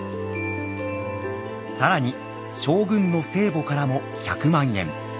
更に将軍の生母からも１００万円。